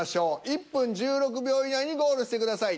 １分１６秒以内にゴールしてください。